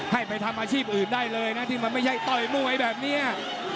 ให้ไปทำอาชีพอื่นได้เลยนะที่มันไม่ใช่ต่อยมวยแบบนี้